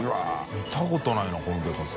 見たことないなこのでかさ。